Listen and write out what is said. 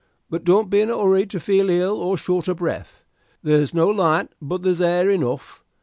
But don't be in a hurry to feel ill or short o' breath. There's no light, but there's air enough.